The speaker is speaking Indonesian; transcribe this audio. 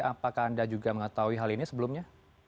apakah anda juga mengetahui hal ini sebelumnya